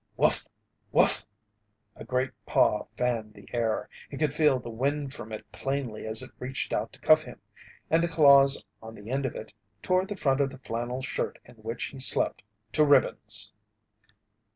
"Woof! Woof!" A great paw fanned the air he could feel the wind from it plainly as it reached out to cuff him and the claws on the end of it tore the front of the flannel shirt in which he slept to ribbons.